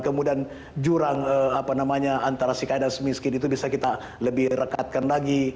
kemudian jurang antara sikai dan semiskin itu bisa kita lebih rekatkan lagi